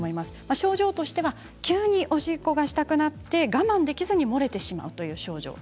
症状としては急に、おしっこがしたくなって我慢できずに漏れてしまうという症状です。